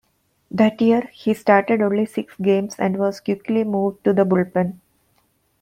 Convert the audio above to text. That year, he started only six games and was quickly moved to the bullpen.